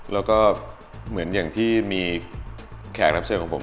แล้วก็เหมือนอย่างที่มีแขกรับเชิญของผม